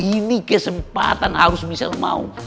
ini kesempatan harus misal mau